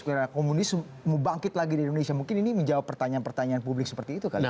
karena komunis mau bangkit lagi di indonesia mungkin ini menjawab pertanyaan pertanyaan publik seperti itu kali ya pak